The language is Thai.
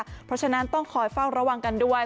เพราะฉะนั้นต้องคอยเฝ้าระวังกันด้วย